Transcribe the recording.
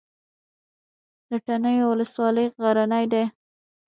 د تڼیو ولسوالۍ غرنۍ ده